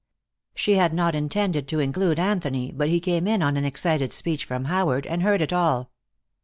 She had not intended to include Anthony, but he came in on an excited speech from Howard, and heard it all.